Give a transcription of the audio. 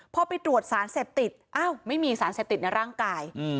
พอไปตรวจสารเสพติดอ้าวไม่มีสารเสพติดในร่างกาย